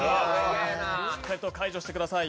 しっかりと解除してください。